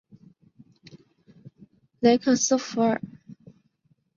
雷克斯弗尔。